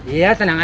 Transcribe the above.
iya tenang aja